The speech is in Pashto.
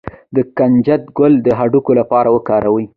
د کنجد ګل د هډوکو لپاره وکاروئ